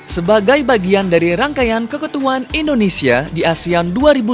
sebagai bagian dari rangkaian keketuan indonesia di asean dua ribu dua puluh